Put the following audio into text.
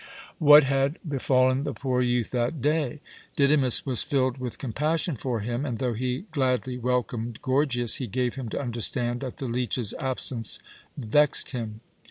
What had befallen the poor youth that day? Didymus was filled with compassion for him, and, though he gladly welcomed Gorgias, he gave him to understand that the leech's absence vexed him.